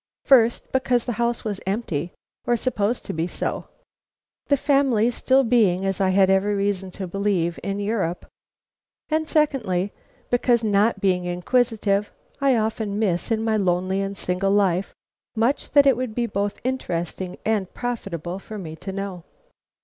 First: because the house was empty, or supposed to be so, the family still being, as I had every reason to believe, in Europe; and secondly: because, not being inquisitive, I often miss in my lonely and single life much that it would be both interesting and profitable for me to know.